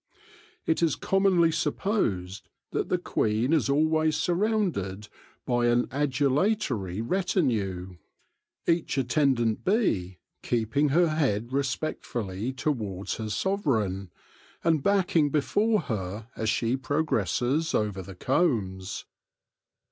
It is commonly supposed that the queen is always surrounded by an adulatory retinue, each 74 THE LORE OF THE HONEY BEE attendant bee keeping her head respectfully towards her sovereign, and backing before her as she pro gresses over the combs.